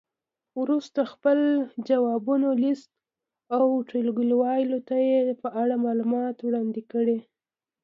وروسته خپل ځوابونه لیست او ټولګیوالو ته یې په اړه معلومات وړاندې کړئ.